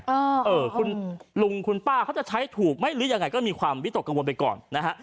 เออเออคุณลุงคุณป้าเขาจะใช้ถูกไหมหรือยังไงก็มีความวิตกกังวลไปก่อนนะฮะ